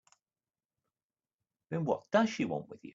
Then what does she want with you?